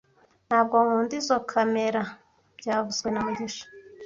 Ntabwo nkunda izoi kamera byavuzwe na mugisha